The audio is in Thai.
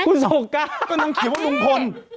คุณสองการฮะ๕๕๕เนี่ยก็นางเขียนว่าลุงพนธ์